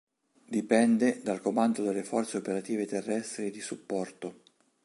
Dipende dal Comando delle forze operative terrestri di supporto.